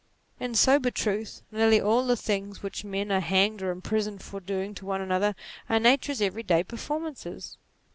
In sober truth, nearly all the things which men are hanged or imprisoned for doing to one another, are nature's every day performances.